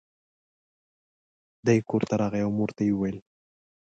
دی کور ته راغی او مور ته یې وویل.